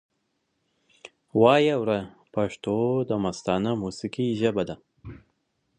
وایې وره پښتو دمستانه موسیقۍ ژبه ده